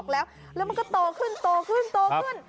แล้วมันก็โตขึ้น